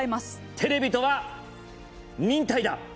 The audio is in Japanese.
テレビとは忍耐だ。